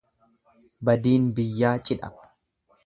Badiin biyyaa cidha.